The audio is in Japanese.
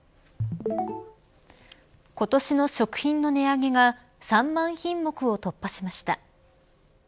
今年の食品の値上げが３万品目を突破しました。